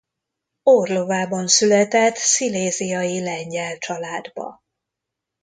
Orlovában született sziléziai lengyel családba.